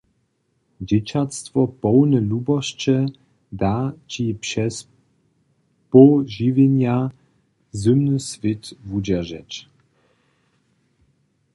Dźěćatstwo połne lubosće, da ći přez poł žiwjenja zymny swět wudźeržeć.